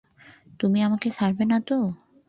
তুমি আমাকে ছাড়বে না তো?